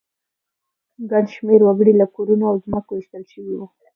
ګڼ شمېر وګړي له کورونو او ځمکو ایستل شوي وو